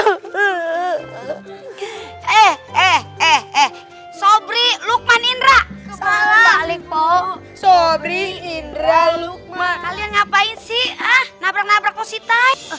eh eh eh eh eh eh sobri lukman indra sobrini lalu kalian ngapain sih ah nabrak nabrak posisi